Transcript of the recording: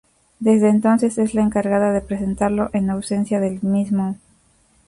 Desde entonces es la encargada de presentarlo en ausencia del mismo.